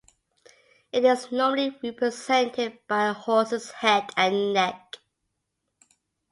It is normally represented by a horse's head and neck.